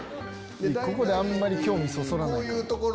ここであんまり興味そそらないから。